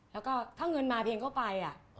แล้วก็ถ้าเงินมาเพลงเข้าไป